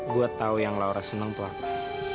gue tau yang laura senang tuh apa